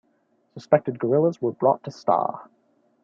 Suspected guerillas were brought to Sta.